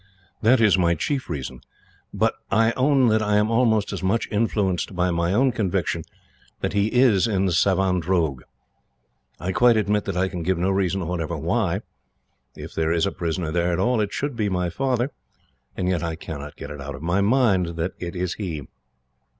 That is my chief reason. But I own that I am almost as much influenced by my own conviction that he is in Savandroog. I quite admit that I can give no reason whatever why, if there is a prisoner there, it should be my father, and yet I cannot get it out of my mind that it is he.